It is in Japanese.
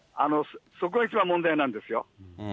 そこが一番問題なんですよ。